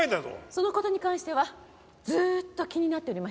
その事に関してはずーっと気になっておりました。